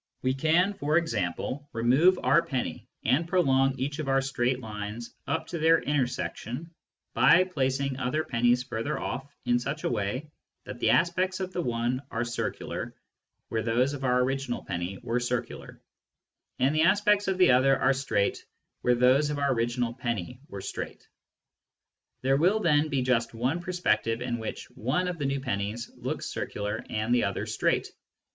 We can, for example, remove our penny and prolong each of our two straight lines up to their inter section by placing other pennies further off in such a way that the aspects of the one are circular where those of our original penny were circular, and the aspects of the other are straight where those of our original penny were straight. There will then be just one perspective in which one of the new pennies looks circular and the other straight.